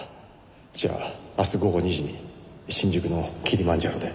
じゃあ明日午後２時に新宿のキリマンジャロで。